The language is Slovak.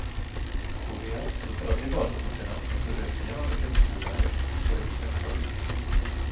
Štúdia doteraz nebola dokončená, pretože ešte nemáme všetky údaje, ktoré by sme chceli.